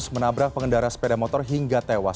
menabrak pengendara sepeda motor hingga tewas